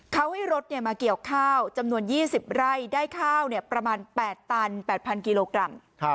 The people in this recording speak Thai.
เขาให้รถมาเกี่ยวข้าวจำนวน๒๐ไร่ได้ข้าวประมาณ๘ตัน๘๐๐กิโลกรัม